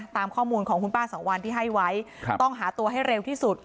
ตามข้อมูลของคุณป้าสังวันที่ให้ไว้ต้องหาตัวให้เร็วที่สุด